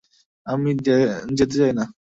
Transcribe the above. আমি যেতে চাই না।